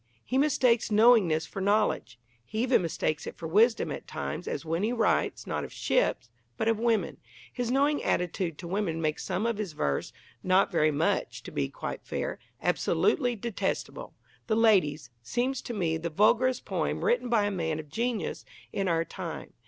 He mistakes knowingness for knowledge. He even mistakes it for wisdom at times, as when he writes, not of ships, but of women. His knowing attitude to women makes some of his verse not very much, to be quite fair absolutely detestable. The Ladies seems to me the vulgarest poem written by a man of genius in our time.